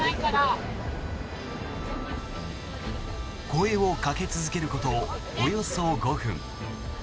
声をかけ続けることおよそ５分。